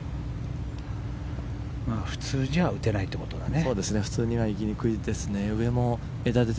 普通じゃ打てないということですね。